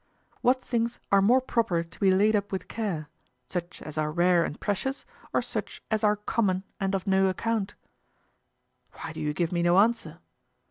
What things are more proper to be laid up with care, such as are rare and precious, or such as are common and of no account? Why do you give me no answer?